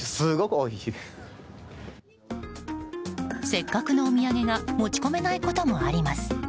せっかくのお土産が持ち込めないこともあります。